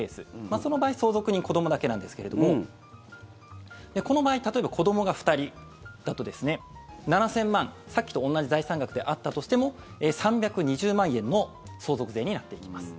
その場合、相続人子どもだけなんですけれどもこの場合例えば子どもが２人だと７０００万、さっきと同じ財産額であったとしても３２０万円の相続税になっていきます。